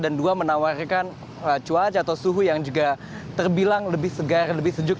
dan dua menawarkan cuaca atau suhu yang juga terbilang lebih segar lebih sejuk